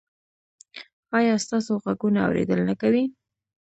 ایا ستاسو غوږونه اوریدل نه کوي؟